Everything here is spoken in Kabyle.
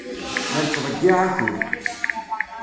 La nettḍeyyiɛ akud.